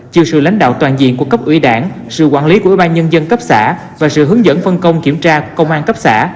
chiều sự lãnh đạo toàn diện của cấp ủy đảng sự quản lý của ủy ban nhân dân cấp xã và sự hướng dẫn phân công kiểm tra của công an cấp xã